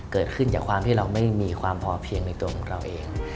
เกิดขึ้นจากความที่เราไม่มีความพอเพียงในตัวของเราเอง